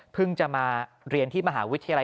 จะมาเรียนที่มหาวิทยาลัย